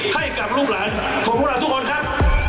ให้กับลูกหลานของพวกเราทุกคนครับ